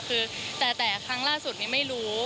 คือแต่ครั้งล่าสุดนี้ไม่รู้